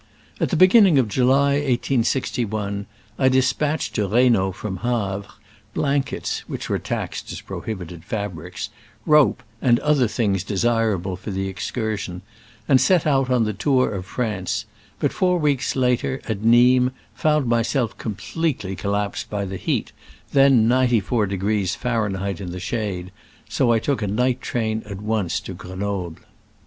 At the beginning of July, 1861, I des patched to Reynaud from Havse blank ets (which were taxed as "prohibited fabrics"), rope, and other things desi^ rable for the excursion, and set out on the tour of France, but four weeks later, at Nimes, found myself completely col lapsed by the heat, then 94° Fahr. in the shade, so I took a night train at once to Grenoble.